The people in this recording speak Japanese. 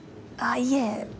ああいえ